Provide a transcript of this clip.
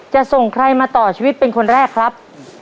จะส่งใครมาต่อชีวิตเป็นคนแรกครับ